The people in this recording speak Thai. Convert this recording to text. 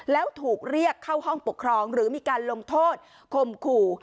แล้วถูกเรียกเข้าห้องปกครองหรือมีการลงโทษคมขู่